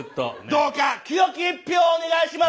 「どうか清き一票をお願いします」。